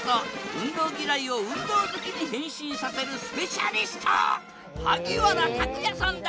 運動ぎらいを運動好きに変身させるスペシャリスト萩原拓也さんだ！